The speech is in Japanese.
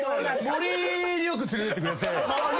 森によく連れてってくれて。